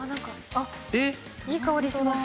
あっいい香りします。